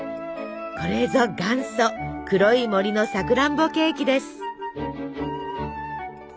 これぞ元祖黒い森のさくらんぼケーキです。